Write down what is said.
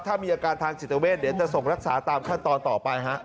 ถ้ามีอาการทางจิตเวทเดี๋ยวจะส่งรักษาตามขั้นตอนต่อไปฮะ